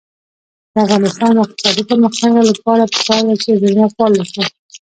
د افغانستان د اقتصادي پرمختګ لپاره پکار ده چې مېلمه پال اوسو.